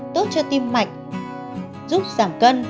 tốt cho tim mạch giúp giảm cân